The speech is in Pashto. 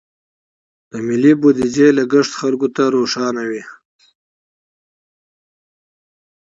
د ملي بودیجې لګښت خلکو ته روښانه وي.